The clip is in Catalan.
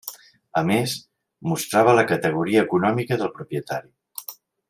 A més, mostrava la categoria econòmica del propietari.